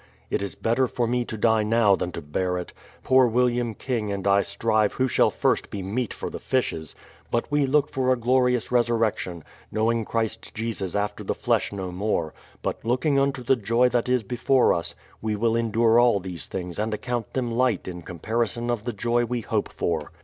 It is better for me to die now than to bear it. Poor William King and I strive who shall first be meat for the fishes; but we look for a glorious resurrection, knowing Christ Jesus after the flesh THE PLYMOUTH SETTLEMENT Gl no more; but, looking unto the joy that is before us, we will endure all these things and account them light in comparison of the joy we hope for.